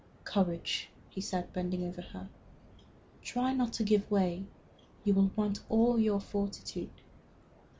"Courage!" he said, bending over her. "Try not to give way. You will want all your fortitude."